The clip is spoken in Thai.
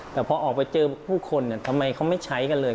แต่พอออกไปเจอผู้คนทำไมเขาไม่ใช้กันเลย